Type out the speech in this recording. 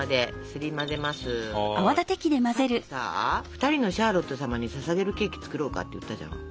さっきさ２人のシャーロット様にささげるケーキ作ろうかって言ったじゃん？